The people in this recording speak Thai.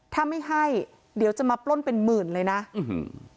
ถ้าไม่ให้เดี๋ยวจะมาปล้นเป็นหมื่นเลยนะอื้อหือ